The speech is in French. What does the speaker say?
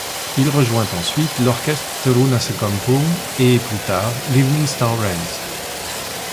Il rejoint ensuite l’orchestre Teruna Sekampung et plus tard l’Evening Star Rays.